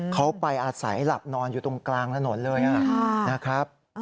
เขาไปอาศัยหลับนอนอยู่ตรงกลางถนนเลยนะครับ